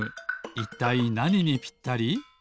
いったいなににぴったり？